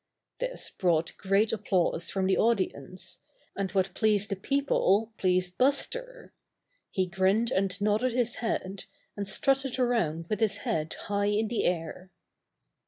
This brought great applause from the audi ence, and what pleased the people pleased Buster. He grinned and nodded his head, and strutted around with his head high in the air.